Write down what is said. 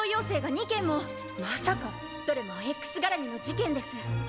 まさか⁉どれもＸ絡みの事件です！